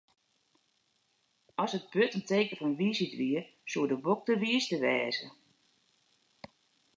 As it burd it teken fan wysheid wie, soe de bok de wiiste wêze.